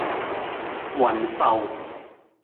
雲浮